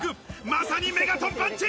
まさにメガトンパンチ！